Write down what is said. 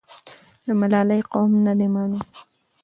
د ملالۍ قوم نه دی معلوم.